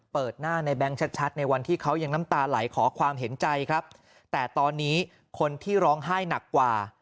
เปิดหน้าในแบงค์ชัดชัดในวันที่เขายังน้ำตาไหลขอความเห็นใจครับแต่ตอนนี้คนที่ร้องไห้หนักกว่า